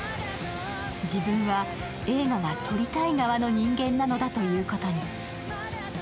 自分は映画が撮りたい側の人間なのだということに。